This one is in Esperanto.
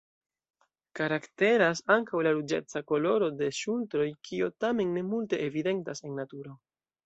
Karakteras ankaŭ la ruĝeca koloro de ŝultroj, kio tamen ne multe evidentas en naturo.